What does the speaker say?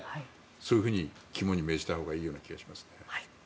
そういうふうに肝に銘じたほうがいい気がしますね。